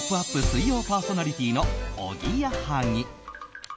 水曜パーソナリティーのおぎやはぎ。